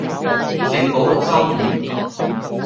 聖保祿修院